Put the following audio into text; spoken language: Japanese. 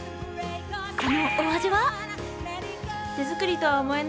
そのお味は？